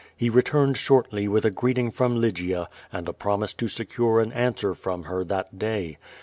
He returned shortly with a greeting from Lygia and a i)romise to secure an answer from her that day.